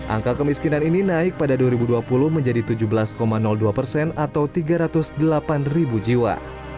angka kemiskinan ini naik pada dua ribu dua puluh menjadi tujuh belas dua persen atau tiga ratus delapan ribu jiwa